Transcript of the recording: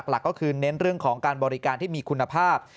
หลักก็คือเน้นเรื่องของการบริการที่มีคุณภาพ